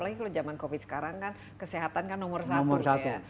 apalagi kalau zaman covid sekarang kan kesehatan kan nomor satu ya